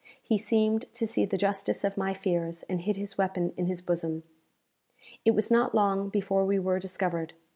He seemed to see the justice of my fears, and hid his weapon in his bosom. It was not long before we were discovered.